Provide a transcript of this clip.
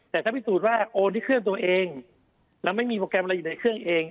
แต่ถ้าพิสูจน์ว่าโอนที่เครื่องตัวเองแล้วไม่มีโปรแกรมอะไรอยู่ในเครื่องเอง